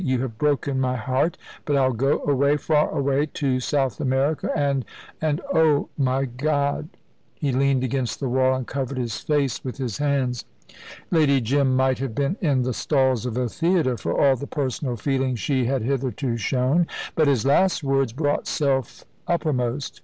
"You have broken my heart; but I'll go away far away to South America, and and oh, my God!" he leaned against the wall and covered his face with his hands. Lady Jim might have been in the stalls of a theatre for all the personal feeling she had hitherto shown. But his last words brought self uppermost.